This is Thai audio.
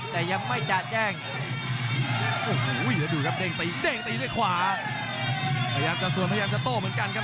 ตีด้วยขวาพยายามจะส่วนพยายามจะโตเหมือนกันครับ